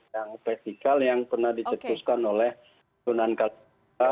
yang vertikal yang pernah dicetuskan oleh sunan kalija